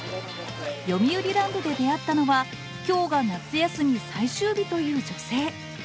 よみうりランドで出会ったのは、きょうが夏休み最終日という女性。